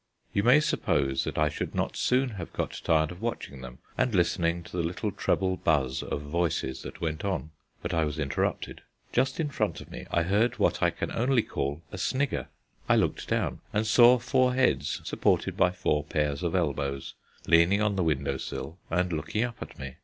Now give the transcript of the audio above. You may suppose that I should not soon have got tired of watching them and listening to the little treble buzz of voices that went on, but I was interrupted. Just in front of me I heard what I can only call a snigger. I looked down, and saw four heads supported by four pairs of elbows leaning on the window sill and looking up at me.